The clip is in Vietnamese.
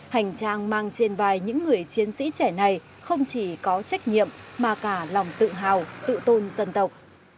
hành trang mang trên vai những người chiến sĩ trẻ này không chỉ có trách nhiệm mà cả lòng tự hào tự tôn dân tộc